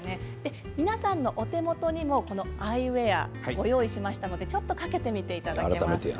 皆さんのお手元にもこのアイウエアご用意しましたのでちょっとかけてみていただけますか？